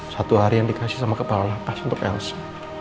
satu hari yang di kasih sama kepala kepala langkas untuk elsa